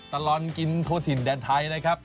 ตลอดกินทั่วถิ่นแดนไทยนะครับ